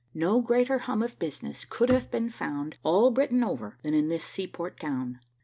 No greater hum of business could have been found all Britain over than in this seaport town.